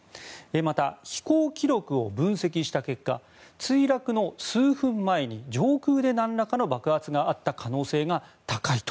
また、飛行記録を分析した結果墜落の数分前に上空で何らかの爆発があった可能性が高いと。